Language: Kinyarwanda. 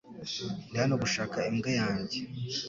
Ndi hano gushaka imbwa yanjye .